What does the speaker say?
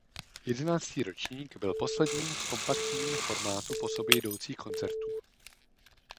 Jedenáctý ročník byl posledním v kompaktním formátu po sobě jdoucích koncertů.